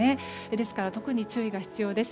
ですから特に注意が必要です。